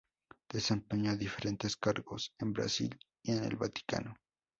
Desempeñó diferentes cargos en Brasil y en el Vaticano.